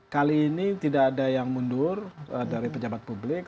kali ini tidak ada yang mundur dari pejabat publik